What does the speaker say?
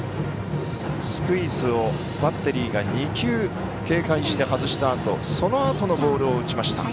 スクイズをバッテリーが２球警戒して外したあとそのあとのボールを打ちました。